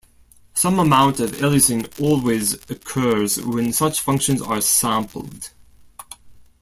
Some amount of aliasing always occurs when such functions are sampled.